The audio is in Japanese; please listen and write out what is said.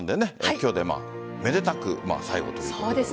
今日でめでたく最後ということで。